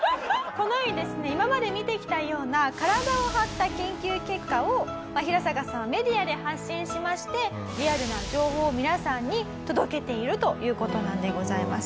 このようにですね今まで見てきたような体を張った研究結果をヒラサカさんはメディアで発信しましてリアルな情報を皆さんに届けているという事なんでございます。